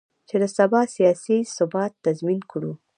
چې د سبا سیاسي ثبات تضمین کړو.